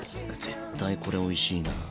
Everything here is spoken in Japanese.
絶対これおいしいな。